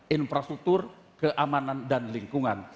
infrastruktur keamanan dan lingkungan